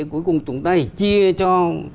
cuối cùng chúng ta chỉ chia cho